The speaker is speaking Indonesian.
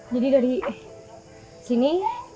jadi dari sini